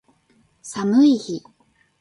寒い日